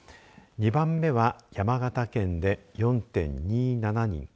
２番目は山形県で４．２７人。